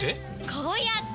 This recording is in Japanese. こうやって！